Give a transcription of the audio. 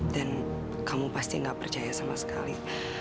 dan kamu pasti gak percaya sama sekali